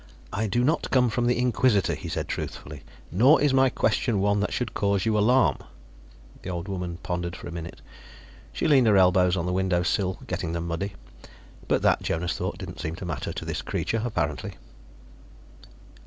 "I do not come from the Inquisitor," he said truthfully, "nor is my question one that should cause you alarm." The old woman pondered for a minute. She leaned her elbows on the window sill, getting them muddy. But that, Jonas thought, didn't seem to matter to this creature, apparently.